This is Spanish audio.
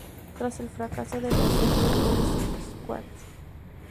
Tras el fracaso de la serie "Police Squad!